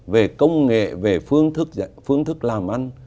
về công nghệ về phương thức làm ăn